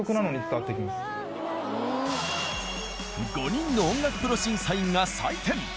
５人の音楽プロ審査員が採点。